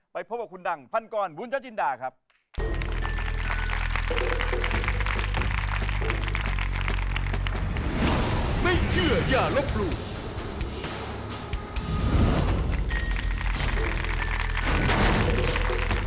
มาขอบเรียนคุณหนักมาก